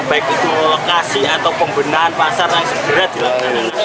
baik itu lokasi atau pembenahan pasar yang segera dilakukan